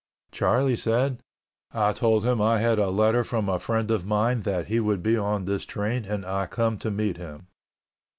Charlie said, "I told him I had a letter from a friend of mine that he would be on this train and I come to meet him."